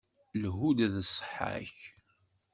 Lhu-d d ṣṣeḥḥa-k.